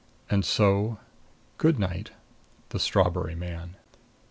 And so good night. THE STRAWBERRY MAN.